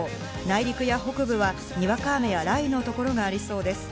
内陸や北部はにわか雨や雷雨の所がありそうです。